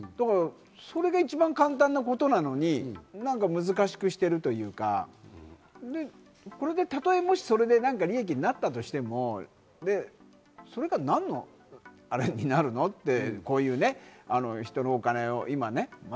それが一番簡単なことなのに難しくしているというか、たとえ、もしそれで利益になったとしても、何のアレになるの？って。